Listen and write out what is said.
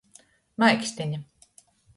Maiksteņa.